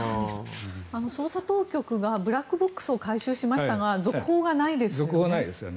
捜査当局がブラックボックスを回収しましたがないですよね。